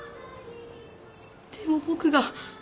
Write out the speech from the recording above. でも僕が。